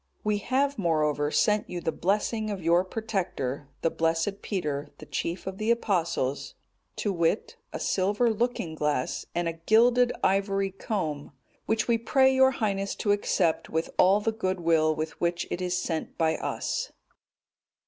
"We have, moreover, sent you the blessing of your protector, the blessed Peter, the chief of the Apostles, to wit, a silver looking glass, and a gilded ivory comb, which we pray your Highness to accept with all the goodwill with which it is sent by us."